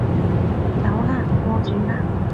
走啦，過主啦